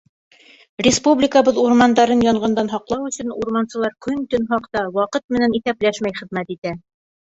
Республикабыҙ урмандарын янғындан һаҡлау өсөн урмансылар көн-төн һаҡта, ваҡыт менән иҫәпләшмәй хеҙмәт итә.